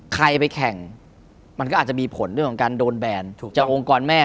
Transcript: ใครไปแข่งมันก็อาจจะมีผลเรื่องของการโดนแบนจากองค์กรแม่